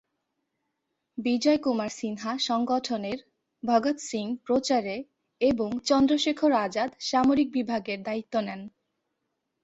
বিজয় কুমার সিনহা সংগঠনের, ভগৎ সিংহ প্রচারে এবং চন্দ্রশেখর আজাদ সামরিক বিভাগের দায়িত্ব নেন।